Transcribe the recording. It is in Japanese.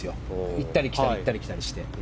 行ったり来たり行ったり来たりして。